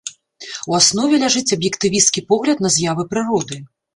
У аснове ляжыць аб'ектывісцкі погляд на з'явы прыроды.